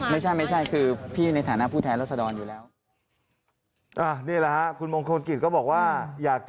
มาในฐานะอะไรนะคะวันนี้ขออธิบัติพิเศษ